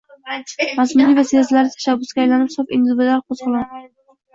mazmunli va sezilarli tashabbusga aylanib “sof” individual qo‘zg‘olon